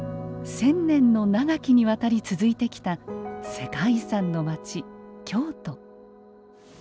千年の長きにわたり続いてきた世界遺産のまち京都。